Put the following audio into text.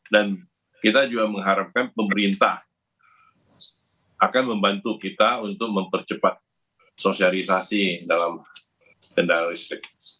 dan kita juga mengharapkan pemerintah akan membantu kita untuk mempercepat sosialisasi dalam kendaraan listrik